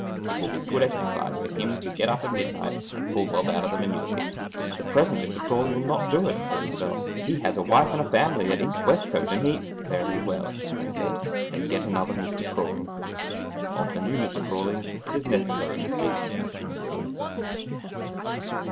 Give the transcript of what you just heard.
It will be good exercise for him to get up at midnight and pull Bob out of the manure pit." "This present Mr. Prawley will not do it," said Isobel. "He has a wife and family at East Westcote, and he " "Very well," I said, "then get another Mr. Prawley!" Of the new Mr. Prawley it is necessary to speak a few words.